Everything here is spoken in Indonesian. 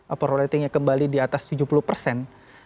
approval ratingnya kembali di atas tujuh puluh persen